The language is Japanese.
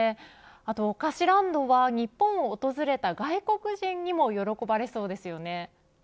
おかしランドは日本を訪れた外国人にも喜ばれそうですよね。